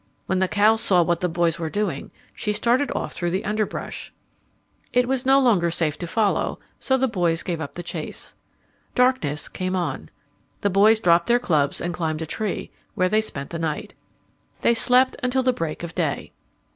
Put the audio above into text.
When the cow saw what the boys were doing she started off through the underbrush. It was no longer safe to follow, so the boys gave up the chase. Darkness came on. The boys dropped their clubs and climbed a tree, where they spent the night. They slept until the break of day.